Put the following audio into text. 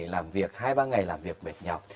làm việc hai ba ngày làm việc mệt nhọc